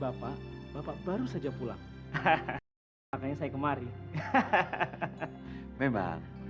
yaa ijazahnya yang nginjic terima